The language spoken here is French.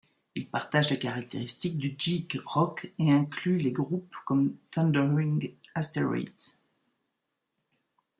Il partage les caractéristiques du geek rock et inclut des groupes comme Thundering Asteroids!